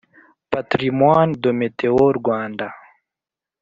patrimoine de meteo rwanda